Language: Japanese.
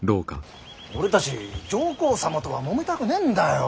俺たち上皇様とはもめたくねえんだよ。